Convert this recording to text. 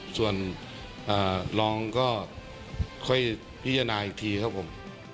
ส่วนรองก็ค่อยพิจารณาอีกทีครับผม